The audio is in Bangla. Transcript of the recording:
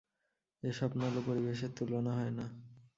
এ স্বপ্নালু পরিবেশের তুলনা হয় না।